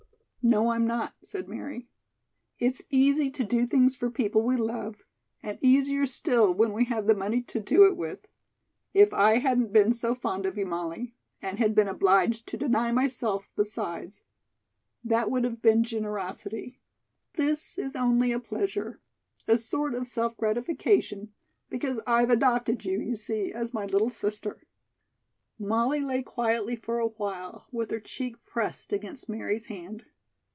"No, I'm not," said Mary. "It's easy to do things for people we love and easier still when we have the money to do it with. If I hadn't been so fond of you, Molly, and had been obliged to deny myself besides, that would have been generosity. This is only a pleasure. A sort of self gratification, because I've adopted you, you see, as my little sister." Molly lay quietly for a while with her cheek pressed against Mary's hand.